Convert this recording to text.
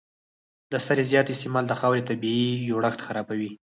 د سرې زیات استعمال د خاورې طبیعي جوړښت خرابوي.